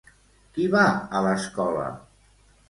Qui va a l'escola?